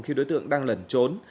khi đối tượng đang lẩn trốn